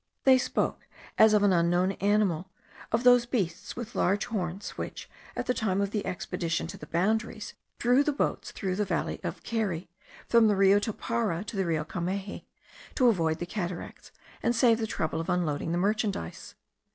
They spoke, as of an unknown animal, of those beasts with large horns, which, at the time of the expedition to the boundaries, drew the boats through the valley of Keri, from the Rio Toparo to the Rio Cameji, to avoid the cataracts, and save the trouble of unloading the merchandize.